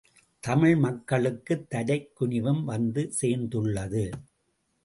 தமிழ் மக்களுக்கு தலை குணிவும் வந்து சேர்ந்துள்ளது.